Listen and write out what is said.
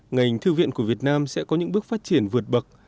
ngành thư viện của việt nam sẽ có những bước phát triển vượt bậc